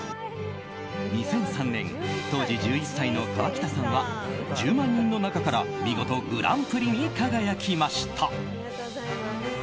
２００３年当時１１歳の河北さんは１０万人の中から見事グランプリに輝きました。